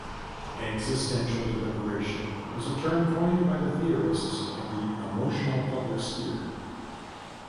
"Existential deliberation" is a term coined by the theorists of the emotional public sphere.